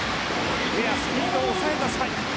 ややスピードを抑えたスパイク。